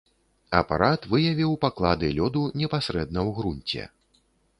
Апарат выявіў паклады лёду непасрэдна ў грунце.